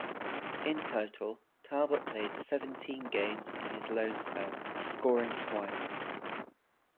In total, Talbot played seventeen games in his loan spell, scoring twice.